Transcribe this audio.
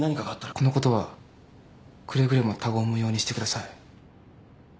このことはくれぐれも他言無用にしてください。